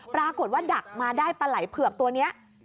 ปรากฏว่าดักมาได้ปลาไหล่เผือกตัวนี้